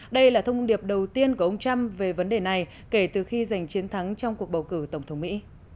đây là thông điệp đầu tiên của ông trump về vấn đề này kể từ khi giành chiến thắng trong cuộc bầu cử tổng thống mỹ